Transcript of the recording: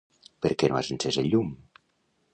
Per què no has encès el llum?